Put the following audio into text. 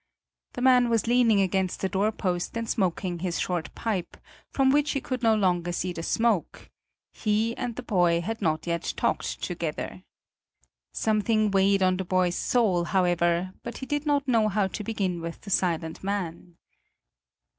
The man was leaning against the doorpost and smoking his short pipe, from which he could no longer see the smoke; he and the boy had not yet talked together. Something weighed on the boy's soul, however, but he did not know how to begin with the silent man.